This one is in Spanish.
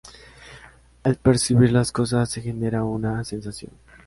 Al percibir las cosas, se genera una sensación.